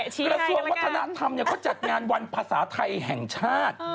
กระทรวงวัฒนธรรมเขาจัดงานวันภาษาไทยแห่งชาติ